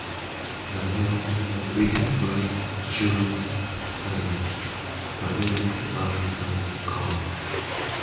The melody was written by Jule Styne, the lyrics by Sammy Cahn.